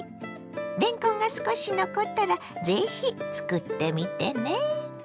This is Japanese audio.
れんこんが少し残ったらぜひ作ってみてね。